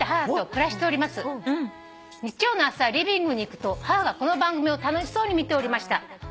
「日曜の朝リビングに行くと母がこの番組を楽しそうに見ておりました」